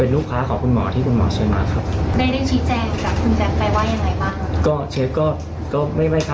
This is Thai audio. ลองฟังค่ะ